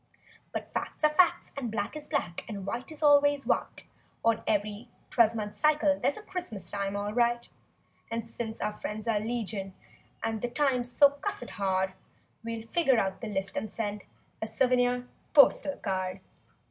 But facts are facts, and black is black. And white is always white— On ev'ry twelve month cycle there's A Christmas time all right; And since our friends are legion and The times so cussed hard— We'll figure out the list and send— A souvenir postal card.